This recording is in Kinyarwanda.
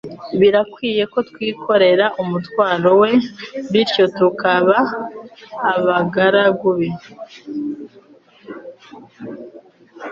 Biradukwiriye ko twikorera umutwaro we, bityo tukaba abagaragu be.